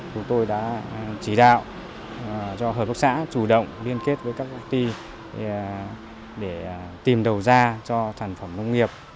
chúng tôi đã chỉ đạo cho hợp quốc xã chủ động liên kết với các quốc tỷ để tìm đầu ra cho sản phẩm nông nghiệp